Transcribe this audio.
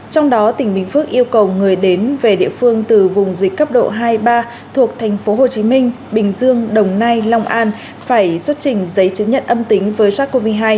trong đó tỉnh bình phước yêu cầu người đến về địa phương từ vùng dịch cấp độ hai ba thuộc thành phố hồ chí minh bình dương đồng nai long an phải xuất trình giấy chứng nhận âm tính với sars cov hai